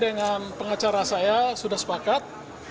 dengan pengacara saya sudah sepakat